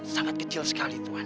sangat kecil sekali tuan